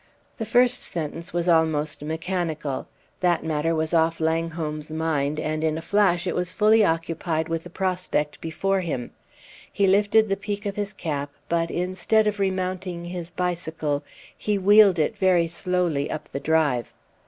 The first sentence was almost mechanical. That matter was off Langholm's mind, and in a flash it was fully occupied with the prospect before himself. He lifted the peak of his cap, but, instead of remounting his bicycle, he wheeled it very slowly up the drive.